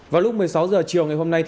vào lúc một mươi sáu h chiều ngày hôm nay